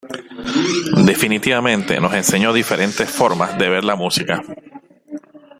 Definitivamente nos enseñó diferentes formas de ver la música.